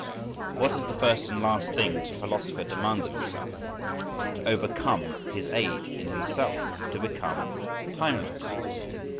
… What is the first and last thing that a philosopher demands of himself? To overcome his age in himself, to become "timeless."